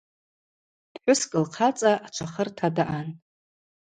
Пхӏвыскӏ лхъацӏа ачвахырта даъан.